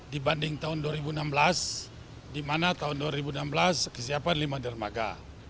dibanding tahun dua ribu enam belas di mana tahun dua ribu enam belas kesiapan lima dermaga